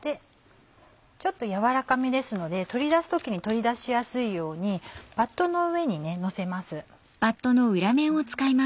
ちょっと軟らかめですので取り出す時に取り出しやすいようにバットの上にのせます。